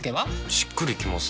しっくりきません。